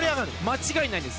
間違いないです。